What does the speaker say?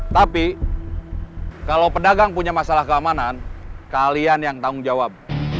tapi kalau pedagang punya masalah keamanan kalian yang tanggung jawab